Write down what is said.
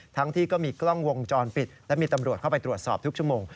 ทั้งที่ก็มีกล้องวงจรปิดและมีตำรวจเข้าไปตรวจสอบทุกชั่วโมง